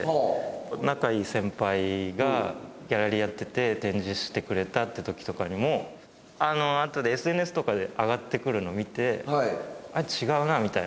仲良い先輩がギャラリーやってて展示してくれたって時とかにもあのあとでＳＮＳとかで上がってくるの見て「あれ？違うな」みたいな。